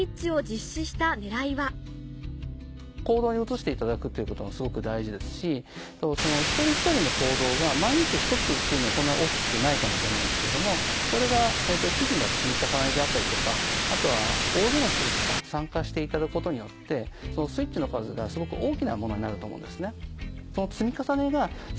行動に移していただくっていうこともすごく大事ですし一人一人の行動が毎日１つっていうのはそんなに大きくないかもしれないんですけどもこれが日々の積み重ねであったりとかあとは大勢の人たちが参加していただくことによってそのスイッチの数がすごく大きなものになると思うんですね。